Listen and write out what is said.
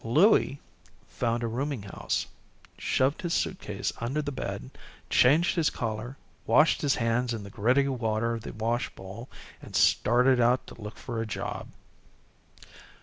Louie found a rooming house, shoved his suitcase under the bed, changed his collar, washed his hands in the gritty water of the wash bowl, and started out to look for a job.